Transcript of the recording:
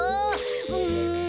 うん。